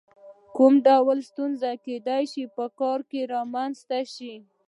کوم ډول ستونزې کېدای شي په کار کې رامنځته شي؟